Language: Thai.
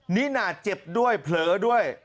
นี่น่าเจ็บด้วยเผลอด้วย